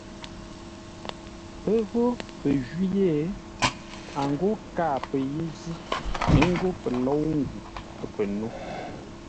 Pə́ ghó pə́ jwî yé, a ghó kâa pə́ yé zʉ́, ə́ ngó pə lôu ngu pə́ nó.